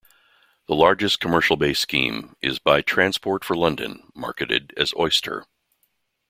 The largest commercial-based scheme is by Transport for London, marketed as "Oyster".